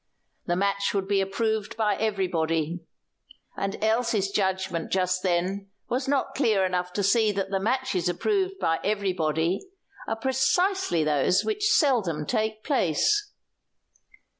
The match would be approved by everybody, and Elsie's judgment just then was not clear enough to see that the matches approved by everybody are precisely those which seldom take place.